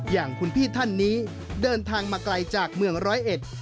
อย่างคุณพี่ท่านนี้เดินทางมาไกลจากเมืองร้อยเอ็ด